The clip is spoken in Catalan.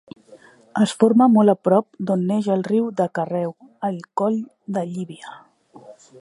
Es forma molt a prop d'on neix el riu de Carreu: al coll de Llívia.